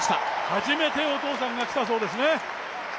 初めてお父さんが来たそうですね。